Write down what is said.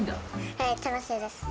はい、楽しいです。